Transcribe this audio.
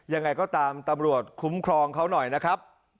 ยังไงก็ตามตำรวจคุ้มครองเขาหน่อยนะครับ